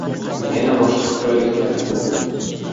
Yana boshqa qulayliklari koʻp.